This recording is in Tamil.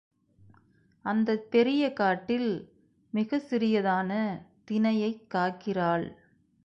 அந்தப் பெரிய காட்டில் மிகச் சிறியதான தினையைக் காக்கிறாள்.